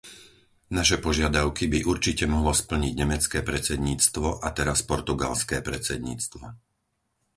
Naše požiadavky by určite mohlo splniť nemecké predsedníctvo a teraz portugalské predsedníctvo.